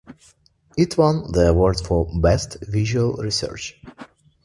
It won the award for Best Visual Research.